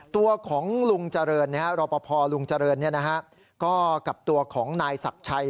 ตัวของรอประพอลุงเจริญกับตัวของนายศักดิ์ชัย